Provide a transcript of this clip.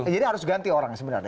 jadi harus ganti orang sebenarnya